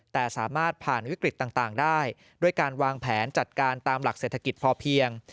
แต่สามารถผ่านวิกฤตต่างได้ด้วยการวางแผนจัดการตามหลักเศรษฐกิจพอเพียง